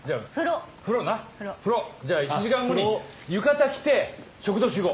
じゃあ１時間後に浴衣着て食堂集合。